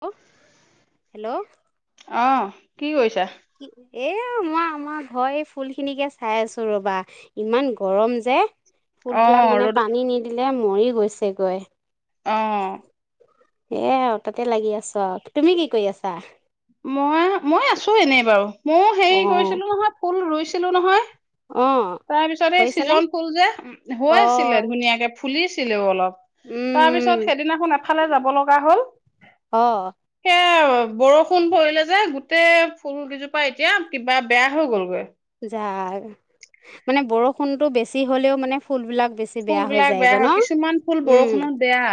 হেল hello অঁ কি কৰিছা এ আও মই আমাৰ ঘৰৰ এই ফুল খিনিকে চাই আছো ৰবা ইমান গৰম যে ফুলবিলাক অ', মানে ৰ'দত পানী নিদি দিলে মৰি গৈছেগৈ আহ এ তাতে লাগি আছো তুমি কি কৰি আছা মই মই আছো এনেই বাৰু ময়ো হেৰি অ কৰিছিলো নহয় ফুল ৰুইছিল ছিলো নহয় অ তাৰপিছত এই কৰিছানে সৃজন ফুল যে হৈ অ আছিলে ধুনীয়াকে ফুলিছিলেও অলপ। তাৰ পিছত উম সেইদিনাখন আপ ফালে যাব লগা হ'ল। অ', এ', বৰষূণ ফোন পৰিলে যে গোটেই ফুল গিজোপা এতিয়া কিবা বেয়া হৈ গলগৈ। যাক, মানে বৰষুণতটো বেছি হ'লেও মানে ফুলবিলাক বেছি ফুল বেয়া হৈ বিলাক যায়গৈ বেয়া ন হয় কিছুমান ফুল উম বৰষুণত বেয়া,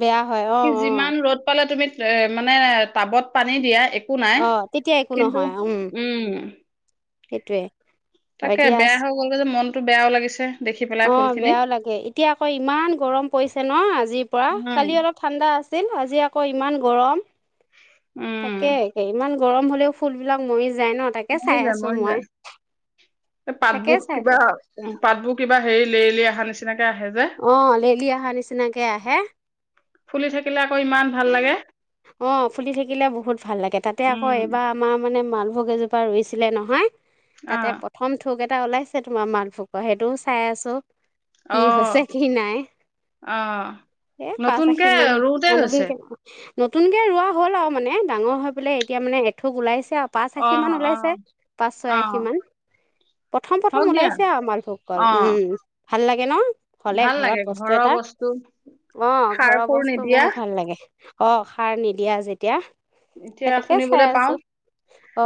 বেয়া হয় অ কি অ যিমান ৰ'দ পালে তুমি এ, মানে টাবত পানী দিয়া এ একো নাই অ তেতিয়া একো কিন্তু, নহয় উম। সেইটোৱে। হয় তাকে দিয়া বেয়া হৈ গ'লগে যে মন তো বেয়াও লাগিছে। দেখি পেলাই অ, ফুল খিনি। বেয়াও লাগে এতিয়া আকৌ ইমান গৰম পৰিছে ন আজিৰ পৰা কালি অলপ ঠাণ্ডা আছে আছিল আজি আকৌ ইমান গৰম। তাকে উম, ইমান গৰম হ'লেও ফুল বিলাক মৰি য মৰিযায়-মৰিযায়, এ তাকে পাতবোৰ চাই আছো কিবা কুঁহ পাতবোৰ কিবা হেৰি লেৰেলি আহা নিচিনাকে আহে যে অ, লেলি আহা নিচিনাকে আহে। ফুলি থাক অ, ফুলি থাকিলে বহুত ভাল লাগে তাতে আকৌ উম, এইবাৰ আমাৰ মানে মান আম কেজোপা ৰুইছিলে নহয়। তাতে অ', প্ৰথম থোক এট এটা ওলাইছে তোমাৰ মালভোকৰ সেইটোও চাই আছো। অ, কি হৈছে কি নাই অ, নতুনকে ৰুতে সান্দহখিনি কেনেক নতুনকে ৰোৱা হ'ল আৰু মানে ডাঙৰ হৈ পেলাই এতিয়া মানে এঠোক ওলাইছ [inaudible] পাঁচআশী মান অ', ওলাইছে অ', পাঁচ-ছয় আশী অ', মান। হওক প্ৰথম-প্ৰথম দিয়া ওলাইছে আও মালভোক কল, অ', উম। ভাল লাগে ন। হ'লে ভাল ঘৰত লাগে বস্তু ঘৰৰ এটা বস্তু অ ঘৰৰ সাৰ-সুৰ বস্তু নিদিয়া। বহুত ভাল লাগে অ', সাৰ নিদিয়া যেতিয়া। সেই এতিয়া তাকে চাই শুনিবলৈ পাও আছো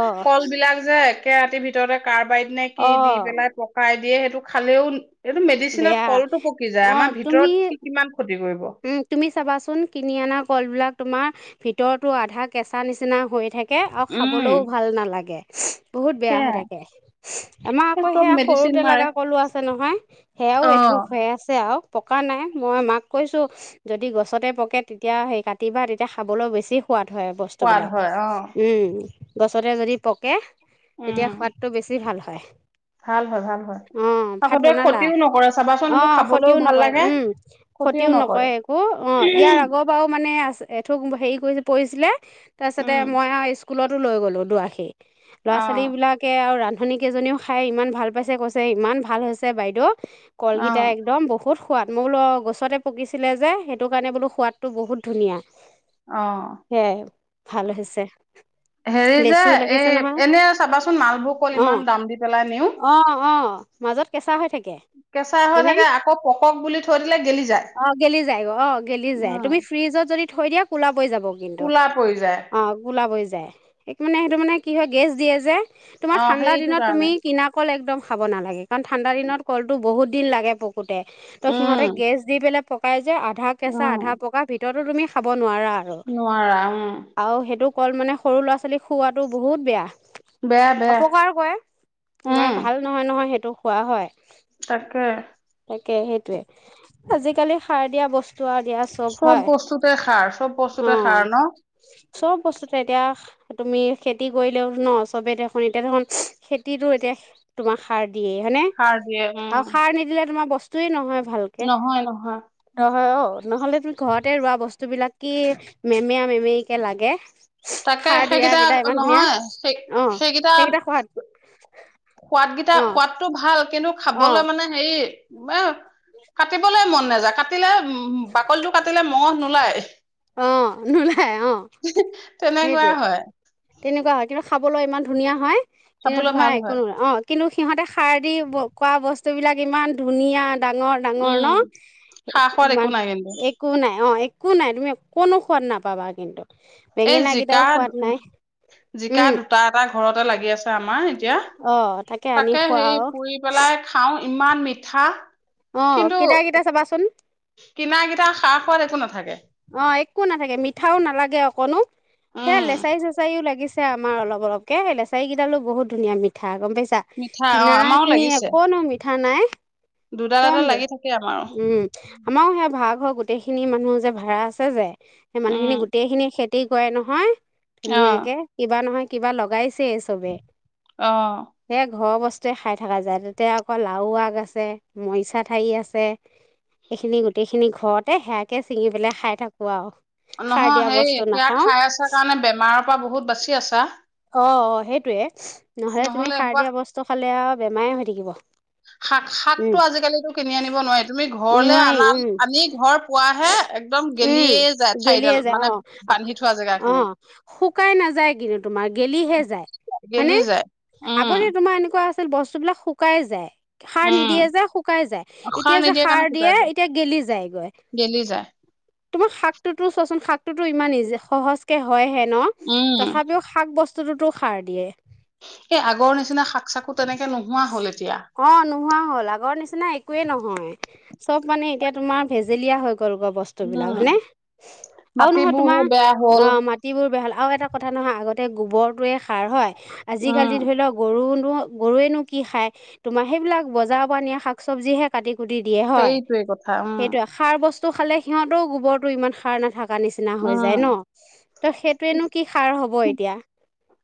অ কল বিলাক যে একে ৰাতিৰ ভিতৰতে কাৰ বাইদি ননে কি অ দি পেলাই পসাই দিয়ে সেইটো খালেও এইটো বেয়া মেডিচিনত কলটো পকি অ যায় আমাৰ তুমি ভিতৰত সি কিমান ক্ষতি কৰিব উম তুমি চাবাচোন কিনি অনা কল বিলাক তোমাৰ ভিতৰতো আধা কেঁচা নিচিনা হৈ থাকে তাকে আৰু উম খাবলৈও ভাল নালাগে [inaudible] বহুত বেয়া হৈ সেয়াই থাকে আমাৰ সেই আকৌ চব সেয়া মেডিচিন সৰুতে মাৰে লগা কলো আছে নহয় সেয়াও এথুক অ', হৈ আছে আৰু পকা নাই মই মাক কৈছোঁ যদি গছতে পকে তেতিয়া সেই কাটিবা তেতিয়া খাবলৈ বেছি সোৱাদ হয় সোৱাদ বস্তুবিলাক হয় অ', উম গছতে যদি পকে উম, তেতিয়া সোৱাদটো বেছি ভাল হয় [inaudible] ভাল হয়, ভাল হয়, অঁ ভাত আসতে বনালা ক্ষতিও নকৰে চাবাচোন হেইটো অ', ক্ষতিও খাবলৈও ভাল নকৰে লাগে। উম, ক্ষতিও নকৰে একো অ ইয়াৰ আগৰ বাৰু এঠোক হেৰি পৰিছিলে তাৰপাছতে উম, মই আৰু স্কুলতো লৈ গ'লোঁ দূআশী ল'ৰা ছোৱালী অ', বিলাকে আৰু ৰান্ধ ৰান্বনীনিকেইজনীও খাই ইমান ভাল পাইছে কৈছে ইমান ভাল হৈছে বাইদেউ কলগিটা অ', একদম বহুত সোৱাদ মৌল গ গছতে পকিছিলে যে সেইটো কাৰণে বোলো সোৱাদটো বহুত ধুনীয়া অ সেয়াই ভাল হৈছে হেৰি যে লেচু লাগিছে এই নহয় এনে চাবাচোন মালভোগ অ ইমান দাম দি পেলাই নিও অ', অ', মাজত কেঁচা হৈ থাকে কেঁচা হৈ হয়নে? থাকে আকৌ পকক বুলি থৈ দিলে গেলি যায়। অ গেলি যায় অ গেলি যায় তুমি উম, ফ্ৰিজত যদি থৈ দিয়া কোলা যাব কিন্তু কোলা পৰি যায়। অ গোলাব হৈ য স মানে সেইটো মানে কি হয় গেছ দিয়ে যে তোমাৰ অ', ঠাণ্ডা সেইটো দিনত তুমি কাৰণে। কিনা কল একদম খাব নালাগে, কাৰণ ঠাণ্ডা দিনত কলটো বহুত দিন লাগে পক ফুতে, ত' উম, সিহঁতে দি পেলাই পকাই যে, আধ আধা কেঁচা, উম, আধা পকা ভিতৰত। আৰু তুমি খাব নোৱাৰা আৰু, নোৱাৰা উম, আও হেটো। কল মানে সৰু ল'ৰা ছোৱালীক খওোৱাটো বহুত বেয়া। বেয়া বেয়া। অপকাৰো কৰে, উম, তোমাৰ ভাল নহয়-নহয় হে। খোৱা হয়। তাকে তাকে সেইটোৱে। আজিকালি সাৰ দিয়া বস্তু। আৰু দিয়া চব হয়! বস্তুতে সাৰ, চব অ বস্তুতে সাৰ ন? চব বস্তুতে এতিয়া তুমি খেতি কৰিলেও ন চবেই দেখোন এতিয়া দেখোন খেতিতো এতিয়া তোমাক সাৰ। দিয়ে হয়নে সাৰ দিয়ে উম, আৰু সাৰ নিদিলে তোমাৰ বস্তু। সেইটো নহয় এহ! নহয় নহয় নহয় অ নহলে তুমি ঘৰতে ৰোৱা বস্তু বিলাক কি মেমেয়া মেমেয়ী কে লাগে। তাকে খাৰ দিয়া সেইকেইটা কেইটা ইমান ধুনীয়া নহয় সেই অ সেইকেইটা। সোৱাদ গেইটা অ সোৱাদতটো ভাল অ খাবলৈ মানে হেৰি ম খাতে কাটিবলৈ মন নাযায় কাটিলে উম, বাকলটো কাটিলে মঙহ নোলায়। অ', নোলায় অ', তেনেকুৱাই সেইটোৱে হয়, তেনেকুৱা হয় কিন্তু খাব ক'বলৈ ইমান ধুনীয়া হয়। কিন্তু খাবলৈ তোমাৰ ভাল একো হয়। নো অ'। কিন্তু সিহঁতে সাৰ দি ব কোৱা বস্তুবিলাক ইমান ধুনীয়া। ডাঙৰ -ডাঙৰ উম, ন খা সোৱাদ একো নাই কিন্তু। ', একো নাই অ', কোন নাই তুমি, কোনো সোৱাদ নাপাবা কিন্তু। এই বেঙেনা জিকা কেইটাও ', সোৱাদ নাই -জিকা, উম দুটা- এটা ঘৰতে লাগি আছে, আমাৰ এতিয়া। অ আনি তাকে খোৱা সেই আৰু পুৰি পেলাই খাও। ইমান মিঠা। অ কিন্তু, কেইটা কেইটা চাবাচোন কিনা কেতা সাৰ, সোৱাদ একো নাথাকে। অএক একো নাথাকে মিঠাও নালাগে অকনো হে' উম লেচাই-চেচাই ও লাগিছে। এ আমাৰ অলপ অলপ কে এ লেচাৰী কেইডালো বহুত ধুনীয়া মিঠা গম পাই ছা মিঠা অ কিনা আমাৰো খিনি লাগিছে একনো মিঠ থানাই দুডাল এডাল তমবে লাগি থাকে আমাৰো উম আমাৰো সেই ভাড়াঘৰ গোটেইখিনি মানুহ যে ভা ভাড়া আছে যে সেই মানুহখিনি উম গোটেই খিনি খেদ গোটেই গয় নহয় অ ধুনীয়াকে কিবা নহয় কিবা লগাইছেই চবে- অ সে ঘৰ বস্ত বস্তুৱে খাই থকা যায় তাতে আকৌ লাউ আগ আছে, মৰিচা ঠাৰি আছে, এইখিনি গোটেইখিনি ঘৰতে সেয়াকে ছিঙি পেলাই খাই থাকোঁ আউ নহয় সেই সেয়া খাই আছা কাৰণে বেমাৰৰ পৰা বহুত বাচি আছা। অঁ অঁ সেইটোৱে। নহলে তুমি সাৰ দিয়া বস্তু খালে অ বেমাৰে হৈ থাকিব। শাক শাকটো উম আজিকালিতো কিনি আনিব নোৱাৰি তুমি ঘৰলে নোৱাৰি উম আনা-আনি ঘৰ পোৱাহে এ উম গেলিয়ে যায় অ', বান্ধি থোৱা জেগা খিনি অ' শুকাই নাযায় কিন্তু তোমাৰ গেলিহে যায় গেলি হয়নে? যায়। উম, আগতে তোমাৰ এনেকুৱা আ বস্তুবিলাক শুকাই যায়। সাৰ উম, নিদিয়ে যে, শুকাই যায়। এতিয়া যে, নিদিয়াৰ কাৰণে সাৰ দিয়ে শুকাই যায়, এতিয়া গেলি যায়গৈ। গেলি যায়। তোমাৰ শাকটোতো চোৱাচোন শাকটোতো ইমান ইযে সহজকে হয় হে নহ উম, তথাপিও শাক বস্ টোতো সাৰ দিয়ে। এই আগৰ নিচিনা শাক-চাকো তেনেকে নোহোৱা হ'ল এতিয়া। নাই একোৱে নহয় চব মানে এতিয়া তোমাৰ ভেজেলীয়া হৈ গল গ বস্তু বিলাক উম, হায়নে? আৰু নহয় তোমাৰ মাটিবোৰহে বেয়া হ'ল। অ' মাটিবোৰ বেয়া হল আৰু এটা কথা নহয় আগত তে গোবৰটোৱে সাৰ হয় উম, আজিকালি ধৰিলোৱা গৰু গৰুৱাইনো কি খাই তোমাৰ সেইবিলাক বজাৰপা নিয়া শাক চবজি কাতি কোটি দিয়ে হয়, সেইটোৱে কথা উম, সেইটোৱে সাৰ বস্তু ত ', খালে খিহঁতৰ গুবৰ্টো ইমান সাৰ নাথক কা নিচিনা হৈ উম, যায় ন, তে সেইটোৱেই নু কি সাৰ হব। এতিয়া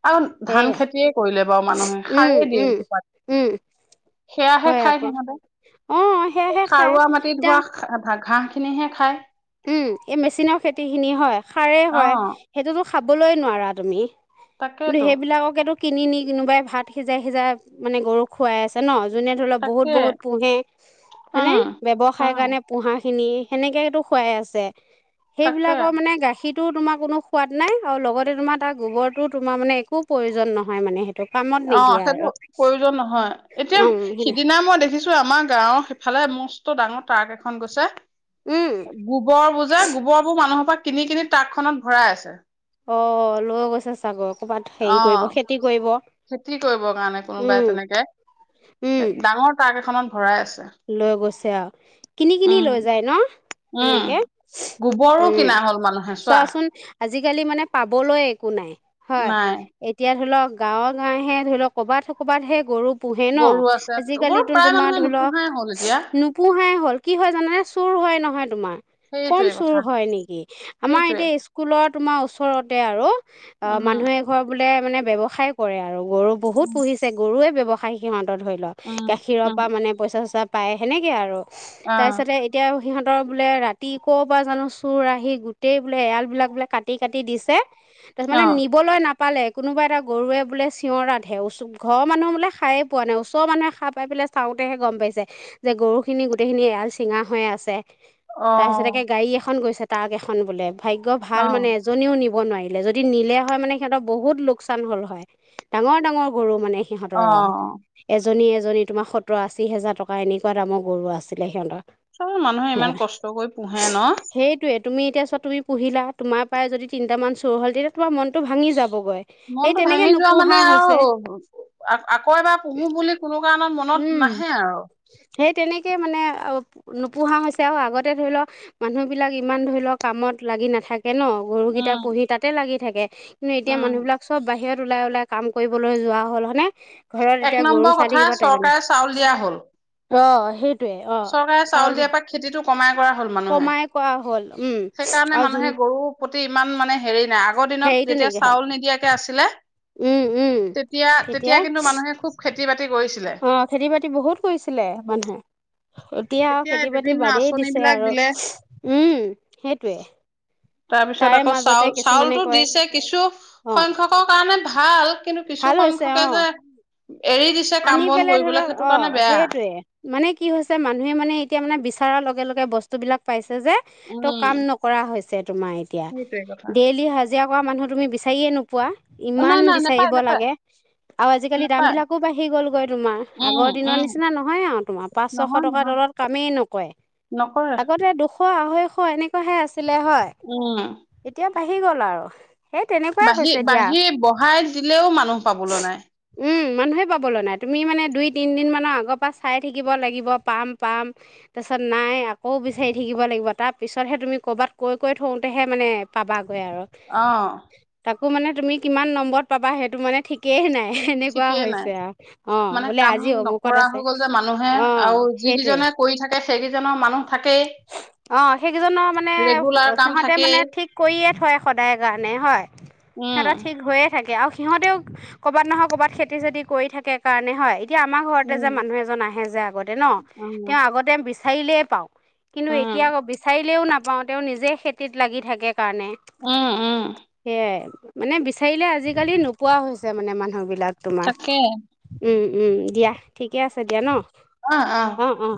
আন ধান সেয়া খেতিয়ে কৰিলে। প্ৰাইভাক মানুহে উম সাৰো দিয়ে উম নেকি, তাত? উম সৈয়াহে হয় খাই আকৌ সিহঁতে, অঁ সেয়াহে খায় সাৰুৱা মাটিত এতিয়া হোৱা খ' গাহ খিনিহে খায়। উম', - এই মেচিনৰ খেতি খিনি হয়, সাৰে হয়, অ', সেইটোতো খাবই, খাবলৈ নোৱাৰা তুমি। কিন্তু তাকেতো সেইবিলাককেটো কিনি নি কিনোবাই ভাত সিজাই - সিজাই মানে গৰুক খোৱাই আছে ন। জোনে ধৰক বহুত তাকে -বহুত পোহে, হয়নে উম, ব্যৱসায় উম, কাৰণে পোহা। খিনি সেনেকেইটো খুৱাই আছে। তাকে। সেইবিলাকৰ মানে গাখি কিন্তু তোমাৰ কোনো সোৱাদ নাই আৰু লগতেই তোমাৰ তাৰ গোবৰটো তোমাৰ মানে একো প্ৰয়োজন নাহে মানে হেট অ', সেইবোৰ প্ৰায়োজন হয় উম এতিয়া সেইটোৱে। সিদিনা মই দেখিছো আমাৰ গাঁওৰ সিফালে মস্ত ডাঙৰ ট্ৰাক এখন গৈছে। উম গোবৰ বোৰ যে, গোবৰ বোৰ মানুহৰ পৰা কিনি - কিনি ট্ৰাক খনত ভৰাই আছে। চাগক। অ', খেতি কৰিব কাৰণে কুনবায় উম তেনেকে, উম ডাঙৰ ট্ৰাক এখনত ভৰাই আছে। লৈ গৈছে অ', কিনি - কিনি উম লৈ জাই ন উম তেনেকে, গোবৰো উম', কিনা হ'ল মানুহে চোৱা চোৱাচোন আজি আজিকালি মানে পাবলৈ একো নাই, হয়, নাই এতিয়া ধৰি লওক গাঁৱৰ গায়হে ধৰি লওক কবাতহে- কবাত সে গৰু পূহে ন গৰু আছে ', গৰু আজিকালিতো প্ৰায় তোমাৰ মানুহে ধৰি লওক নোপোহাই হ'ল এতিয়া নুপূহাই হ'ল। কি হয় জানা নে চুৰ হয় নহয় তোমাৰ। কম সেইটোৱে চুৰ কথা হয় নেকি আমাৰ সেইটোৱে এতিয়া স্কুলত তোমাৰ ওচৰতে আৰু। অ', উম মানুহে এঘৰ বোলে মানে ব্যৱসায় কৰে আৰু। গৰু বহুত উম পুহিছে গৰুৱে ব্যৱসায়ি সিহঁত ধৰি লওঁ উম গাখীৰৰ উম পৰা মানে পইচা আ পায় সেনেকে আৰু। অ তাৰপিছতে এতিয়া সিহঁতৰ বোলে ৰাতি ক'ৰ পৰা জানো চোৰ আহি গোটেই বোলে এৰালবিলাক বোলে কাটি কাটি দিছে। ত অ মানে নিবলৈ নাপ পালে কোনোবা এটা গৰুৱে বোলে চিঞৰা ৰাধে চৰৰ মানুহ বোলে খায়াই পোৱা নাই ওচৰ মুহে খ পাই পেলাই চাওঁতেহে গম পাইছে। যে গৰু খিনি গোটেইখিনি এৰাল চিঙা হৈ আছে। তাৰপিছত তে গাড়ী এখন গৈছা। তাক এখন বোলে ভাগ্য অ ভাল মানে অ এজনীও নিব নোৱাৰিল যদি নিলে হয় মানে সিহঁতৰ বহুত লোকচান হ'ল হয় ডাঙৰ ডাঙৰ গৰু মানে সিহঁতৰ ৰা অ এ এজনী এজনী তোমাৰ সতৰ আশী হোজাৰ টকা ক এনেকুৱা দামৰ গৰু আছিলে সিহঁতৰ চ মানুহে ইমান কষ্টকৈ পোহে ন সেইটোৱে তুমি এতিয়া চোৱা তুমি পহিলা তোমাৰই যদি তিনিামান চোৰ হ'ল তেতিয়া তোমাৰনটো ভাঙি যাব মনতটো ভাঙি যোৱা মানে আৰু আকৌ এবাৰ পুহো বুলি কোনো কাৰণত মনত নাহে আৰু উ সেই তেনেকৈ মানে নোপোহা হৈছে আৰু আগতে ধৰি লওক মানুহবিলাক ইমান ধৰি লওক কামত লাগি নাথাকে কে ন গৰু কিতা উম পুহি তাতে লাগি থাকে কিন্তু এতিয়া উম মানুবাক চব বাহিৰত ওলাই ওলাই কাম কৰিবলৈ যোৱা হ'ল হৈ? এক নম্বৰ কথা চৰকাৰে চাউল দিয়া হল অ সেই চৰকাৰে চাউল দিয়াৰ পৰা খেতিতটো কমাই কৰা হয় কমাই কোৱা হ'ল। উম সেইকাৰণে আৰু যোন মানুহে গৰুৰ প্ৰতি ইমান মানে হেৰি নাই। আগ আগৰ দিনত হেৰিটো যেতিয়া নাইকিয়া হ'ল চাউল নিদিয়াকে আছিলে উম উম তেতিয়া-তেতিয়া তেতিয়া কিন্তু মানুহে খুব খ খেতি-বাত অ', খেতি-বাতি বহুত কৰিছিলে মানুহে। এতিয়া আৰু খেতি-বাতি বিভিন্ন বাদেই আঁচনি দিছে বিলাক আৰু দিলে উম, সেইটোৱে। তাৰপিছত তাৰে আকৌ মাজতে কিছুমানে চাউল-চাউলটো কয় দিছে। কিছু অ সংখ্যকৰ কাৰণে ভাল কিন্তু ভাল কিছু হৈছে সংখ্যকে অ যে এৰি দিছে কাম আনি বন পেলে কৰিবলৈ ধৰা। সেইটো কাৰণে অ', বেয়া সেইটোৱে মানে কি হৈছে মানুহে মানে এতিয়া মানে বিচ চাৰৰ লগে লগে বস্তু বিলাক পাইছ যে তো উম কাম নকৰা হৈছ তোমাৰ এতিয়া, সেইটোৱে কথা ডেইলী হাজ হাজিৰা কৰা মানুহ তুমি বিচাৰিয়েই নোপোৱা। অ ইমান নাই নাই নেপায় বিচাৰিব নেপায় লাগে আৰু আজিকালি নেপায় দামবিলাক আকৌ বাঢ়ি গলগৈ তোমাৰ। উম আগৰ দিনৰ উম নিচিনা নহয় আৰু তোমাৰ পাঁচ-ছশ নহয় টকাৰ নহয় তলত কামেই নকৰে। নকৰে আগতে দুশ-আঢ়ৈ অ, এনেকুৱাহে আছ ছিলে হয়। এতিয়া বাঢ়ি গ'ল আৰু। সেই তেনেকুৱাই হৈছে দিয়া বাঢ়ি-বাঢ়ি-বঢ়াই দিলেও মানুহ পাবলে নাই। উম মানুহে পাবলৈ নাই। তুমি মানে দুই-তিনমানৰ আগৰ পৰা চাই থাকিব লাগিব। পাম-পাম তাৰপিছত, নাই আকৌ বিচাৰি থাকিব লাগিব। তাৰ পিছতহে তুমি ক'ৰবাত কৈ কৈ থ‌ওঁতেহে মানে পাবাগৈ আৰু অ তা আকৌ, মানে তুমি কিমান নম্বৰত পাবা। সেইটো মানে ঠিকেই নাই। সেনেকুৱা ঠিকেই হৈছ নাই মানে কাম নকৰা আছে হৈ গ'ল যে মানুহে অঁ আৰু সেইটোৱে যিকেইজনে কৰি থাকে। সে সেইকেইজনৰ মানুহ থাকেই। অ', সেইকেইজনৰ মানে ৰেগুলাৰ কাম সিহঁতে থাকেই মানে ঠিক কৰিয়ে থয়, সদায় কাৰণে হয়। উম সিহঁতৰ ঠিক হৈয়ে থাকে আৰু সি সিহঁতেও ক'ৰবাত নহয় ক'ৰবাত খেতি-চেতি কৰি থাকে কাৰণে হয়। এতিয়া আমাৰ ঘৰতে উম যে মানুহ এজন আহে যে আগতে ন। উম তেওঁ আগতে বিশ চাৰিলেয়ে পাওঁ। কিন্তু এই উম এতিয়া আকৌ বিচাৰিলেও নাপ পাওঁ তেওঁ নিজে খেতিত লাগি থাকে। কাৰণে উম উম সেইয়াই। মানে বিশ ঠাৰিললৈ আজিকালি নোপোৱা হৈছে। মানে মানুহ বিলাক। তোমাৰ তাকে উম উম দিয়া ঠিকে আছে দিয়া ন। অ', অ'। অঁ অঁ